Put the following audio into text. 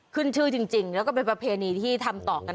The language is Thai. ขึ้นชื่อจริงแล้วก็เป็นประเพณีที่ทำต่อกัน